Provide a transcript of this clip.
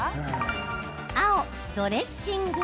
青・ドレッシング。